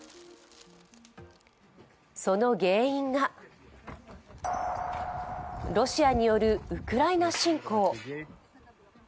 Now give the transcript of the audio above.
その原因がロシアによるウクライナ侵攻。